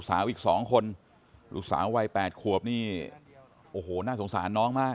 การรับศพวันนี้ก็เป็นไปด้วยความเศร้าแล้วครับท่านผู้ชมครับ๒ครอบครัวนะฮะมันไม่ใช่ว่าไม่ตั้งใจมันคือการวางแผนมาแล้ว